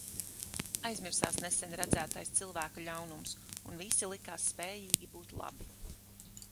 Aizmirsās nesen redzētais cilvēku ļaunums, un visi likās spējīgi būt labi.